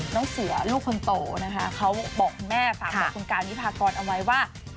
น้องเสือลูกคนโตนะคะเขาบอกคุณแม่ฝากบอกคุณการวิพากรเอาไว้ว่า